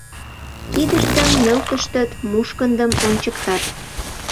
Кидыштым нӧлтыштыт, мушкындым ончыктат.